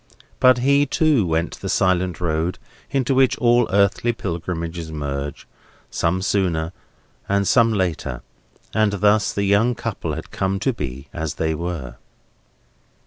But he, too, went the silent road into which all earthly pilgrimages merge, some sooner, and some later; and thus the young couple had come to be as they were.